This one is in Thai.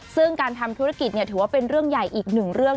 ซึ่งการทำธุรกิจถือว่าเป็นเรื่องใหญ่อีกหนึ่งเรื่อง